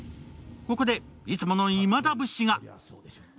ここでいつもの今田節が。